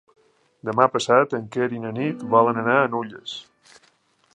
Demà passat en Quer i na Nit volen anar a Nulles.